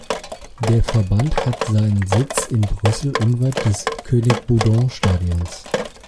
Der Verband hat seinen Sitz in Brüssel, unweit des König-Baudouin-Stadions.